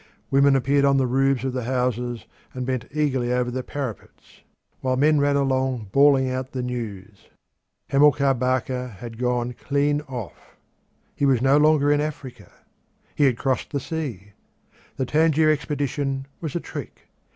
Women appeared on the roofs of the houses and bent eagerly over the parapets, while men ran along bawling out the news. Hamilcar Barca had gone clean off. He was no longer in Africa. He had crossed the sea. The Tangier expedition was a trick.